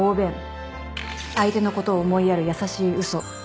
相手のことを思いやる優しい嘘。